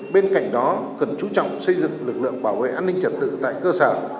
bên cạnh đó cần chú trọng xây dựng lực lượng bảo vệ an ninh trật tự tại cơ sở